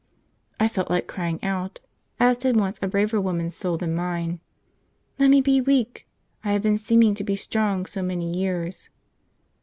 I felt like crying out, as did once a braver woman's soul than mine, 'Let me be weak! I have been seeming to be strong so many years!'